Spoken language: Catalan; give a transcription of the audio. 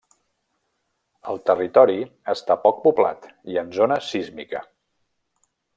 El territori està poc poblat i en zona sísmica.